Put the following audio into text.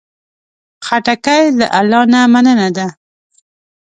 خټکی له الله نه مننه ده.